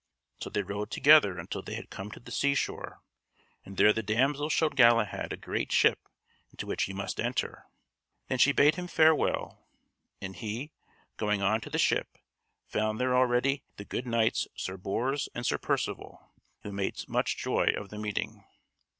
So they rode together until they had come to the seashore and there the damsel showed Galahad a great ship into which he must enter. Then she bade him farewell, and he, going on to the ship, found there already the good knights Sir Bors and Sir Percivale, who made much joy of the meeting.